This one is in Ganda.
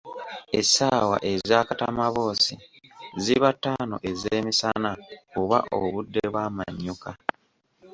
Essaawa eza katamaboosi ziba ttaano ez’emisana oba obudde bw’amannyuka.